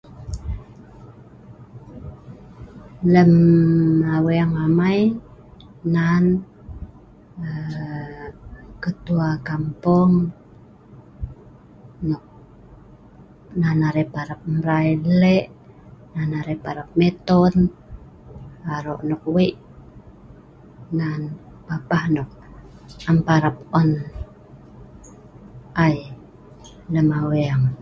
Lem aweeng amai nan aa ketua kampung nok nan arai parap mrai lle', nan arai parap miton aro nok wei' ngan papah nok am parap on ai' lem aweeng.